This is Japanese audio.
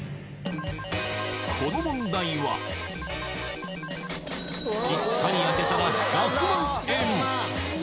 この問題はピッタリ当てたら１００万円